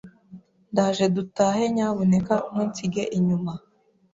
Ndaje dutahe nyabuneka ntunsige inyuma .